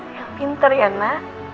yang pinter ya ma